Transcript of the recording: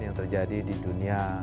yang terjadi di dunia